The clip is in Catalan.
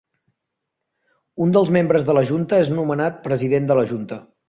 Un dels membres de la junta és nomenat president de la junta.